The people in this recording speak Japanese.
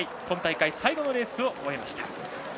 今大会最後のレースを終えました。